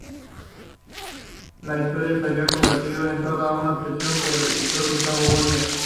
La historia se habría convertido en toda una obsesión para su escritor Gustavo Bolívar.